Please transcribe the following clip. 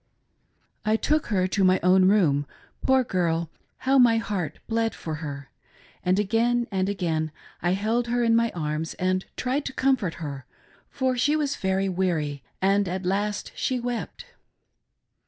1 took her to my own room — poor girl, how my heart bled for her! — and again and again I held her in my arms and tried to comfort her, for she was very weary; and at last she wept.